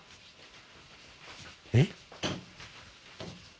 えっ？